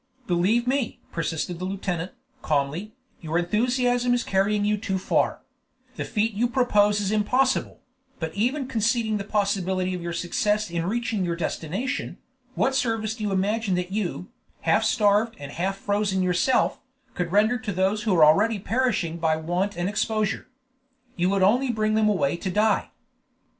"Believe me," persisted the lieutenant, calmly, "your enthusiasm is carrying you too far; the feat you propose is impossible; but even conceding the possibility of your success in reaching your destination, what service do you imagine that you, half starved and half frozen yourself, could render to those who are already perishing by want and exposure? you would only bring them away to die."